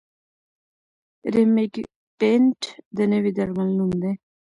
ریمیګیپینټ د نوي درمل نوم دی.